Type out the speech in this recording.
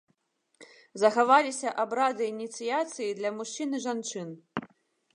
Захаваліся абрады ініцыяцыі для мужчын і жанчын.